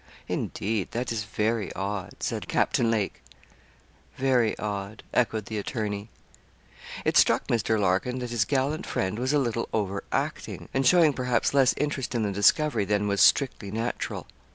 'Indeed! that is very odd,' said Captain Lake. 'Very odd;' echoed the attorney. It struck Mr. Larkin that his gallant friend was a little overacting, and showing perhaps less interest in the discovery than was strictly natural.